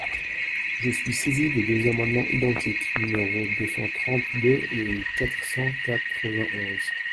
Je suis saisie de deux amendements identiques, numéros deux cent trente-deux et quatre cent quatre-vingt-onze.